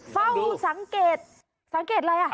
เฝ้าสังเกตสังเกตอะไรอ่ะ